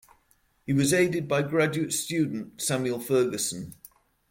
He was aided by graduate student Samuel Ferguson.